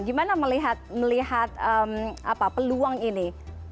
gimana melihat peluang ini